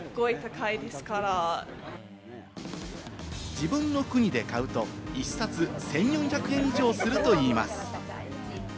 自分の国で買うと、１冊１４００円以上するといいます。